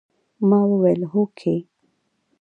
ما وويل هوکې.